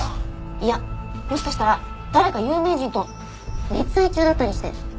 いやもしかしたら誰か有名人と熱愛中だったりして。